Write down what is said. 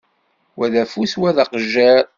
Wa d afus, wa d aqejjiṛ.